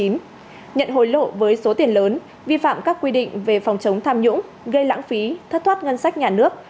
nhận hối lộ với số tiền lớn vi phạm các quy định về phòng chống tham nhũng gây lãng phí thất thoát ngân sách nhà nước